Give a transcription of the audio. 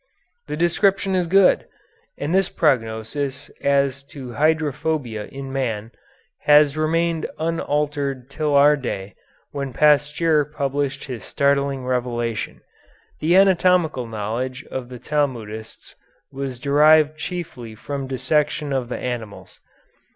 The description is good, and this prognosis as to hydrophobia in man has remained unaltered till in our day when Pasteur published his startling revelation. The anatomical knowledge of the Talmudists was derived chiefly from dissection of the animals.